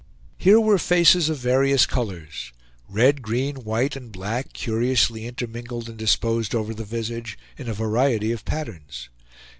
Here were faces of various colors; red, green, white, and black, curiously intermingled and disposed over the visage in a variety of patterns.